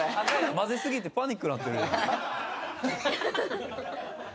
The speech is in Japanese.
混ぜ過ぎてパニックなってるやん。